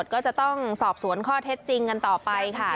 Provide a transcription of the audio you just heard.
ก็จะต้องสอบสวนข้อเท็จจริงกันต่อไปค่ะ